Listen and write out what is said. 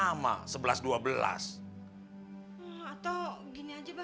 atau gini aja bang